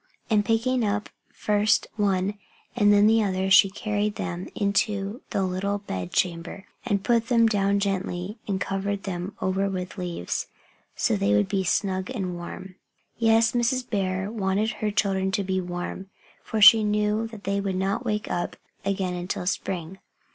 And picking up first one and then the other she carried them into their little bed chamber and put them down gently and covered them over with leaves, so they would be snug and warm. Yes, Mrs. Bear wanted her children to be warm, for she knew that they would not wake up again until spring.